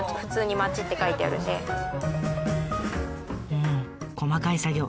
うん細かい作業。